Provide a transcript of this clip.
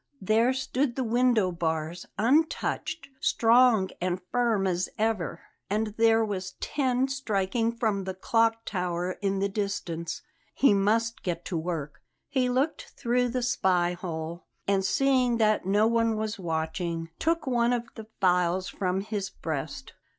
There stood the window bars, untouched, strong and firm as ever. And there was ten striking from the clock tower in the distance. He must get to work. He looked through the spy hole, and, seeing that no one was watching, took one of the files from his breast.